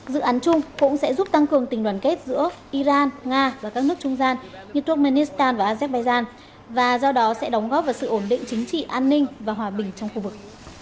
dự án chung cũng sẽ giúp tăng cường tình đoàn kết giữa iran nga và các nước trung gian như kurbanistan và azerbaijan và do đó sẽ đóng góp vào sự ổn định chính trị an ninh và hòa bình trong khu vực